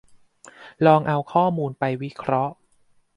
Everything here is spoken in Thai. ลองเอาข้อมูลไปวิเคราะห์